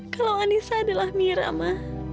kalau anissa adalah mira ma